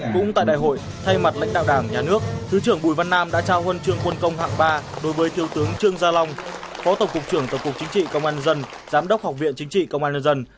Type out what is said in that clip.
cũng tại đại hội thay mặt lãnh đạo đảng nhà nước thứ trưởng bùi văn nam đã trao huân chương quân công hạng ba đối với thiếu tướng trương gia long phó tổng cục trưởng tổng cục chính trị công an dân giám đốc học viện chính trị công an nhân dân